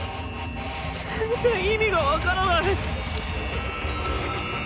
全然意味が分からない。